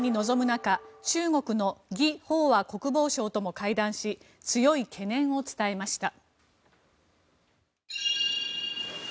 中国のギ・ホウワ国防相とも会談し強い懸念を伝えました。